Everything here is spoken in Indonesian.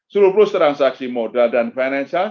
suruh plus transaksi modal dan finansial